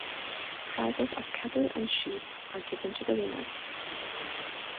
Prizes of cattle and sheep are given to the winners.